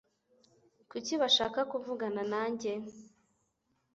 Kuki bashaka kuvugana nanjye?